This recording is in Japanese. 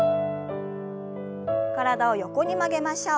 体を横に曲げましょう。